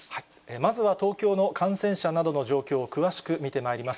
まずは東京の感染者などの状況を詳しく見てまいります。